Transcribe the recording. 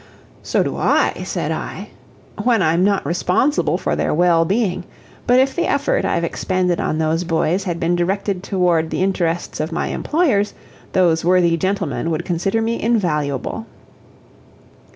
"So do I," said I, "when I'm not responsible for their well being; but if the effort I've expended on those boys had been directed toward the interests of my employers, those worthy gentlemen would consider me invaluable."